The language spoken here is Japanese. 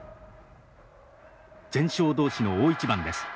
全勝同士の大一番です。